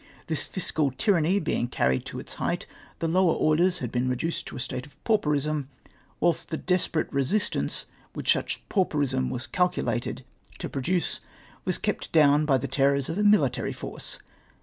This fiscal tyranny being carried to its height, the lower orders had been reduced to a state of pauperism — whilst the desperate resis tance whicli such pauperism was calculated to pro SECONDED BY ME. 217 diice was kept down by the terrors of a military force.